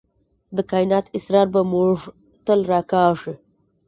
د کائنات اسرار به موږ تل راکاږي.